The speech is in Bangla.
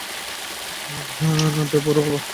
আব্বে, পড়ুয়া, ভাগ!